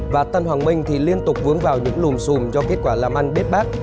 và tân hoàng minh thì liên tục vướng vào những lùm xùm do kết quả làm ăn biết bác